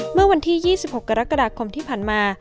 เมื่อวันที่๒๖กรกฎาคมที่ผ่านมา